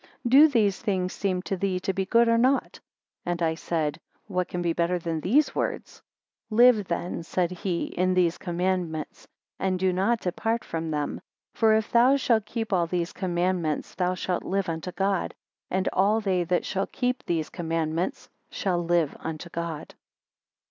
12 Do these things seem to thee to be good or not? And I said, What can be better than these words? Live then, said he, in these commandments, and do not depart from them. For if thou shalt keep all these commandments, thou shalt live unto God. And all they that shall keep these commandments shall live unto God.